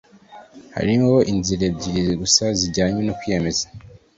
Hariho inzira ebyiri gusa zijyanye no kwiyemeza.